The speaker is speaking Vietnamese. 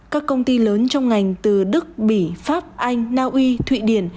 các công ty lớn trong ngành từ đức bỉ pháp anh naui thụy điển